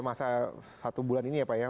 masa satu bulan ini ya pak ya